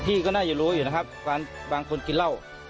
ก็น่าจะรู้อยู่นะครับบางคนกินเหล้า